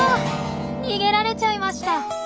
逃げられちゃいました。